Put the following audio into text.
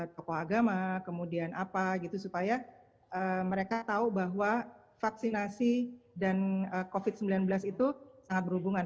tokoh agama kemudian apa gitu supaya mereka tahu bahwa vaksinasi dan covid sembilan belas itu sangat berhubungan